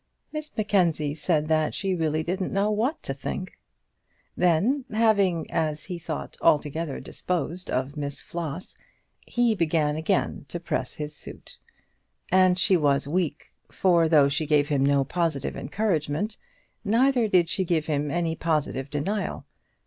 Miss Mackenzie said that she really didn't know what to think. Then, having as he thought altogether disposed of Miss Floss, he began again to press his suit. And she was weak; for though she gave him no positive encouragement, neither did she give him any positive denial.